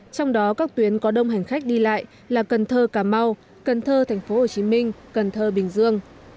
trong đó các tuyến có đông hành khách đi lại là cần thơ cà mau cần thơ thành phố hồ chí minh cần thơ bình dương